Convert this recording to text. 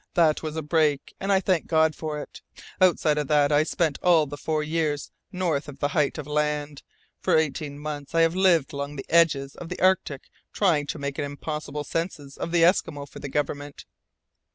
"That was a break and I thank God for it. Outside of that I spent all of the four years north of the Hight of Land. For eighteen months I lived along the edges of the Arctic trying to take an impossible census of the Eskimo for the government."